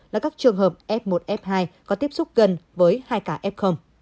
là các trường hợp f một f hai có tiếp xúc gần với hai ca f